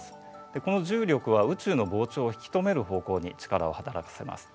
この重力は宇宙の膨張を引き止める方向に力を働かせます。